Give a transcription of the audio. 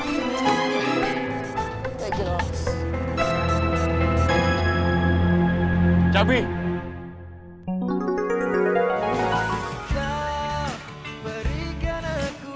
ya udah gue mau